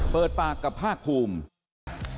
เปิดปากกับภาคภูมิ